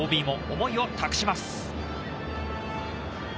ＯＢも思いを託します。